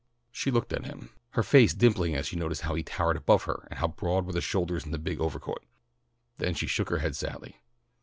She looked up at him, her face dimpling as she noticed how he towered above her and how broad were the shoulders in the big overcoat. Then she shook her head sadly.